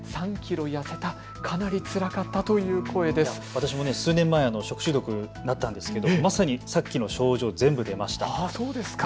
私も数年前、食中毒になったんですが、まさにさっきの症状、全部出ました。